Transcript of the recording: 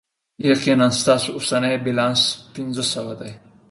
یقینا، ستاسو اوسنی بیلانس پنځه سوه دی.